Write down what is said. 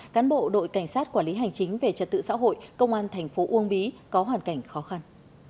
cán bộ đội cảnh sát quản lý hành chính về trật tự xã hội công an thành phố uông bí có hoàn cảnh khó khăn